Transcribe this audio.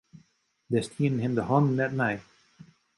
Dêr stienen him de hannen net nei.